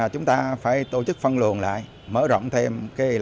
chúng ta phải tổ chức phân luồn lại mở rộng thêm